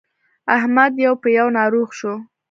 احمد يو په يو ناروغ شو.